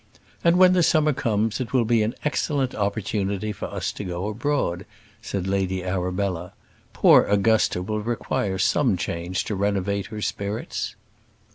"And when the summer comes it will be an excellent opportunity for us to go abroad," said Lady Arabella. "Poor Augusta will require some change to renovate her spirits."